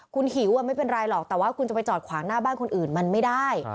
คุณหิวไม่เป็นไรหรอกแต่ว่าคุณจะไปจอดขวางหน้าบ้านคนอื่นมันไม่ได้